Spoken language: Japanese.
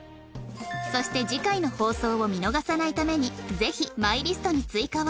そして次回の放送を見逃さないためにぜひマイリストに追加を